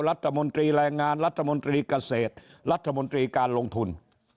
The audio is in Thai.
รัฐมนตรีแรงงานรัฐมนตรีเกษตรรัฐมนตรีการลงทุน